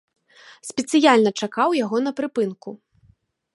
Спецыяльна чакаў яго на прыпынку.